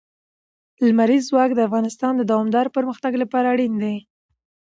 لمریز ځواک د افغانستان د دوامداره پرمختګ لپاره اړین دي.